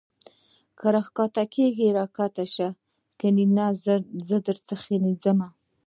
که را کښته کېږې را کښته سه کنې زه در څخه ځم.